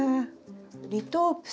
リトープス。